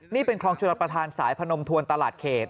นี่เป็นคลองชลประธานสายพนมทวนตลาดเขต